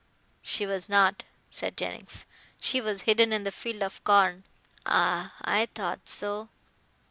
"She was not," said Jennings, "she was hidden in the field of corn." "Ah. I thought so.